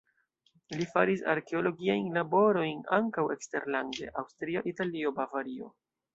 Li faris arkeologiajn laborojn ankaŭ eksterlande: Aŭstrio, Italio, Bavario.